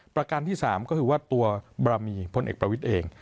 ประการที่๓ก็คือว่าตัวบารมีพลเอกประวิทย์เอง